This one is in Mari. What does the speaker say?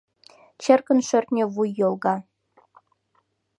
Черкын шӧртньӧ вуй йолга